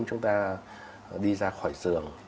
chúng ta đi ra khỏi giường